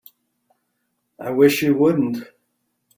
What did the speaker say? I wish you wouldn't.